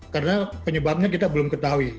karena penyebabnya kita belum ketahui